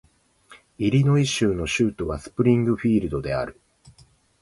イリノイ州の州都はスプリングフィールドである